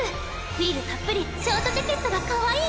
フリルたっぷりショートジャケットがかわいい